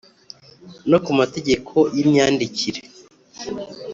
no ku mategeko y’imyandikire.